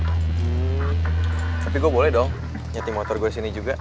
tapi gue boleh dong nyeting motor gue disini juga